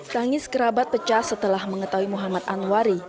tangis kerabat pecah setelah mengetahui muhammad anwari